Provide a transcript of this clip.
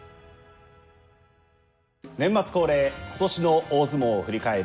年末恒例今年の大相撲を振り返る